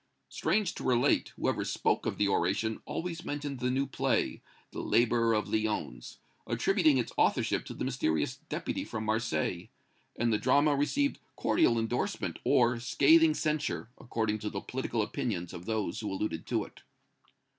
Strange to relate, whoever spoke of the oration always mentioned the new play, "The Laborer of Lyons," attributing its authorship to the mysterious Deputy from Marseilles, and the drama received cordial endorsement or scathing censure, according to the political opinions of those who alluded to it.